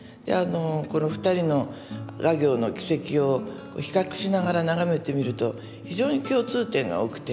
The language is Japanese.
この二人の画業の軌跡を比較しながら眺めてみると非常に共通点が多くて。